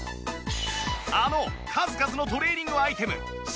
あの数々のトレーニングアイテム